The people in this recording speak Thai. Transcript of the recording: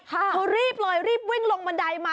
เขารีบเลยรีบวิ่งลงบันไดมา